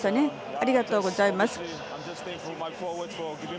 ありがとうございます。